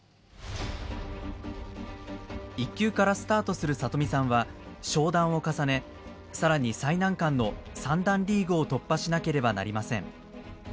１級からスタートする里見さんは昇段を重ね更に最難関の三段リーグを突破しなければなりません。